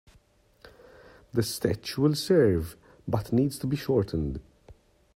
The stitch will serve but needs to be shortened.